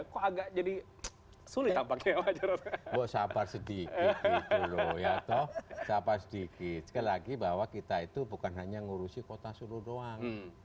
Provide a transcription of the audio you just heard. dua ratus delapan puluh sembilan ziko tapi gitu loh yainksoh siapa pasti sebel lagi bahwa kita itu bukan hanya mengurusi kota suluh doang